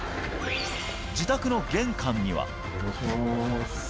自宅の玄関には。